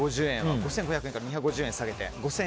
５５００円から２５０円下げて。